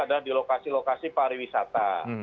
ada di lokasi lokasi pariwisata